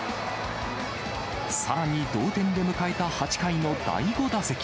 さらに同点で迎えた８回の第５打席。